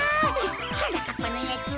はなかっぱのやつ